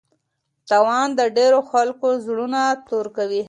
تاوان د ډېرو خلکو زړونه توري کوي.